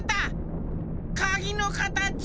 かぎのかたちは。